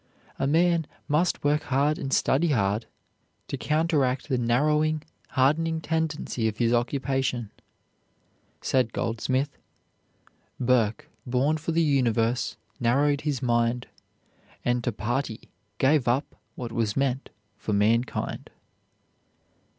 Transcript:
A man must work hard and study hard to counteract the narrowing, hardening tendency of his occupation. Said Goldsmith, Burke, born for the universe, narrowed his mind, And to party gave up what was meant for mankind.